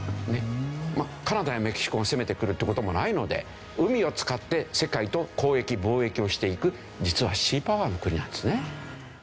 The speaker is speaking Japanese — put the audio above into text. まあカナダやメキシコが攻めてくるって事もないので海を使って世界と交易貿易をしていく実はシーパワーの国なんですね。